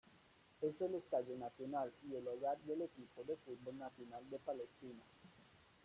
Es el estadio nacional y el hogar del equipo de fútbol nacional de Palestina.